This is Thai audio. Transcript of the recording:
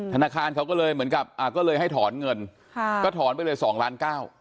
ธนาคารเขาก็เลยเหมือนกับก็เลยให้ถอนเงินก็ถอนไปเลย๒ล้าน๙